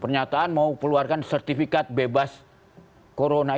pernyataan mau keluarkan sertifikat bebas corona